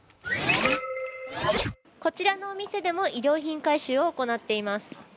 こちらのお店でも衣料品回収を行っています。